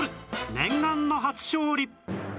念願の初勝利